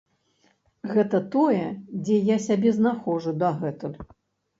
Гэта тое, дзе я сябе знаходжу дагэтуль.